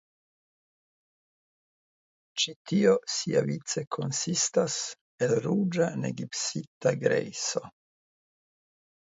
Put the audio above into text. Ĉi tio siavice konsistas el ruĝa negipsita grejso.